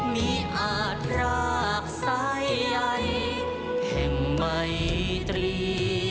มิอาจรากสายใยแค่ไหมตรี